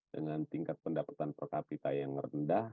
dengan tingkat pendapatan per kapita yang rendah